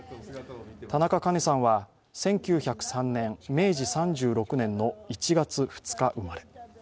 田中カ子さんは１９０３年、明治３６年の１月２日生まれ。